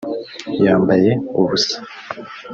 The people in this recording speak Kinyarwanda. yambaye ubusa